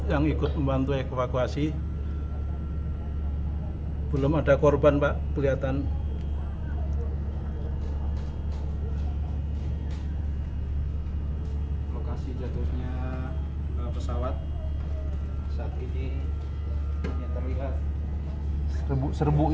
yang ikut membantu ekavakuasi belum ada korban pak kelihatan lokasi jatuhnya pesawat saat ini